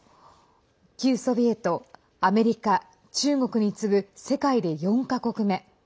旧ソビエト、アメリカ中国に次ぐ世界で４か国目。